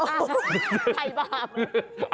โอ้โฮใครบาป